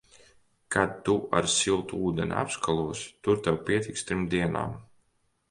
Kad tu ar siltu ūdeni apskalosi, tur tev pietiks trim dienām.